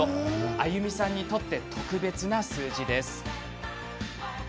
亜由美さんにとって特別な数字なんです。